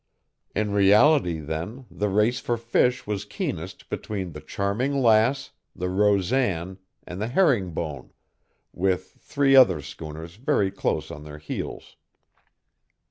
In reality, then, the race for fish was keenest between the Charming Lass, the Rosan, and the Herring Bone, with three other schooners very close on their heels.